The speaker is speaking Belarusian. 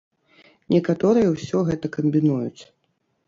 Некаторыя ўсё гэта камбінуюць.